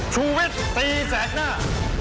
ชีวิตตีแสดหน้า